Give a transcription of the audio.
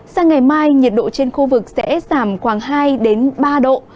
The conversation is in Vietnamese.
sang ngày mai nhiệt độ trên khu vực sẽ giảm khoảng hai ba độ